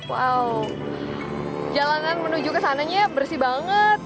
wow jalanan menuju ke sananya bersih banget